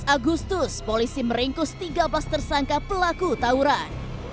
dua belas agustus polisi meringkus tiga belas tersangka pelaku tawuran